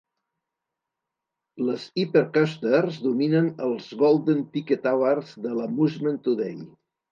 Les Hypercoasters dominen els Golden Ticket Awards de l'"Amusement Today".